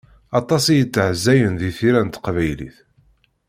Aṭas i yestehzayen di tira s teqbaylit.